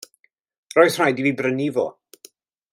Roedd rhaid i fi 'i brynu fo.